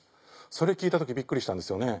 それ聞いた時びっくりしたんですよね。